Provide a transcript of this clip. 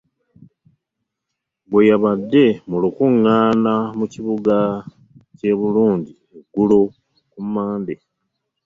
Bwe yabadde mu lukuŋŋaana mu kibuga ky'e Rukungiri eggulo ku Mmande